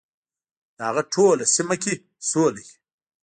د هغه ټوله سیمه کې سوله وي .